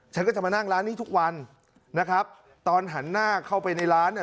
ฉันก็จะมานั่งร้านนี้ทุกวันนะครับตอนหันหน้าเข้าไปในร้านเนี่ย